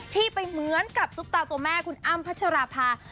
ที่ไปเหมือนกับซุปตาตัวแม่คุณอ้ำพัชราภา